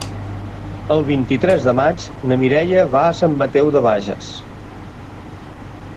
El vint-i-tres de maig na Mireia va a Sant Mateu de Bages.